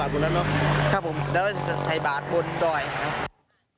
ครับผมแล้วก็จะใส่บาทบนดอยครับ